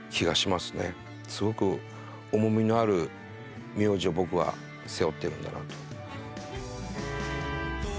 すごく重みのある名字を僕は背負ってるんだなと。